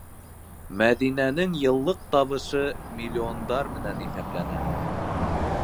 «Мәҙинә»нең йыллыҡ табышы — миллиондар менән иҫәпләнә.